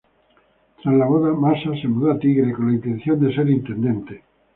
Tras la boda, Massa se mudó a Tigre, con intenciones de ser intendente.